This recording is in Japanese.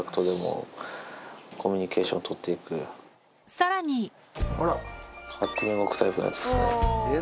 さらに勝手に動くタイプのやつですね。